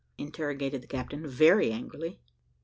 interrogated the captain, very angrily.